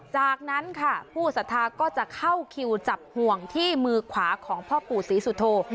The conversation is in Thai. จากนั้นค่ะผู้สัทธาก็จะเข้าคิวจับห่วงที่มือขวาของพ่อปู่ศรีสุโธ